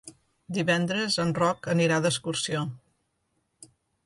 Divendres en Roc anirà d'excursió.